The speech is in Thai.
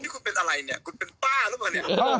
คนเป็นอะไรเนี่ยเป็นป้าหรือเปล่า